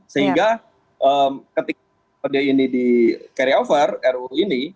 sehingga ketika perda ini di carry over ruu ini